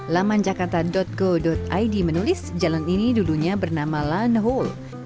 laman jakarta go id menulis jalan ini dulunya bernama line whole